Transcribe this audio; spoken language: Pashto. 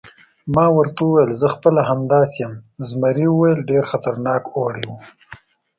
ما ورته وویل: زه خپله همداسې یم، زمري وویل: ډېر خطرناک اوړی و.